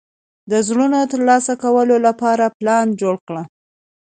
د زړونو ترلاسه کولو لپاره پلان جوړ کړ.